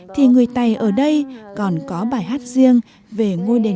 thì người tây ở đây còn có bài hát riêng về ngôi đền ken